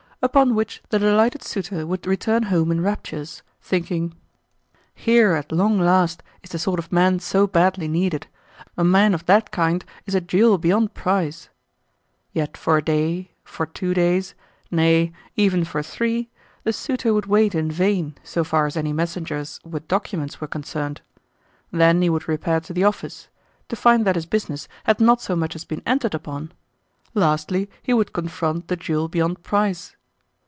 Upon which the delighted suitor would return home in raptures, thinking: "Here, at long last, is the sort of man so badly needed. A man of that kind is a jewel beyond price." Yet for a day, for two days nay, even for three the suitor would wait in vain so far as any messengers with documents were concerned. Then he would repair to the office to find that his business had not so much as been entered upon! Lastly, he would confront the "jewel beyond price."